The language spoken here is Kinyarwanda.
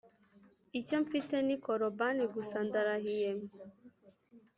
icyo mfite ni korubani gusa ndarahiye